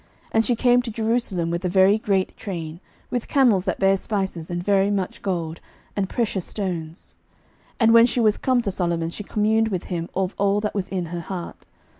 11:010:002 And she came to Jerusalem with a very great train, with camels that bare spices, and very much gold, and precious stones: and when she was come to Solomon, she communed with him of all that was in her heart.